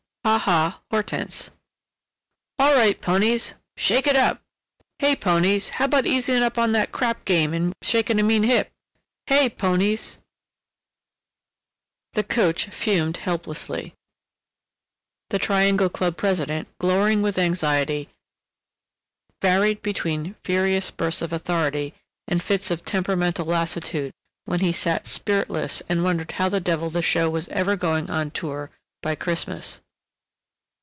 "HA HA HORTENSE!" "All right, ponies!" "Shake it up!" "Hey, ponies—how about easing up on that crap game and shaking a mean hip?" "Hey, ponies!" The coach fumed helplessly, the Triangle Club president, glowering with anxiety, varied between furious bursts of authority and fits of temperamental lassitude, when he sat spiritless and wondered how the devil the show was ever going on tour by Christmas.